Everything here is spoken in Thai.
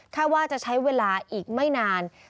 ว่าจะใช้เวลาอีกไม่นาน